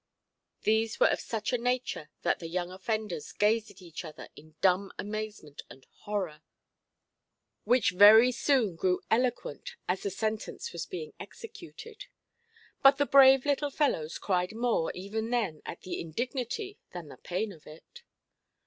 These were of such a nature that the young offenders gazed at each other in dumb amazement and horror, which very soon grew eloquent as the sentence was being executed. But the brave little fellows cried more, even then, at the indignity than the pain of it.